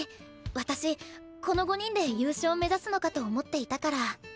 私この５人で優勝目指すのかと思っていたから。